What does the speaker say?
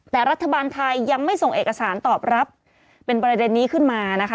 แต่รัฐบาลไทยยังไม่ส่งเอกสารตอบรับเป็นประเด็นนี้ขึ้นมานะคะ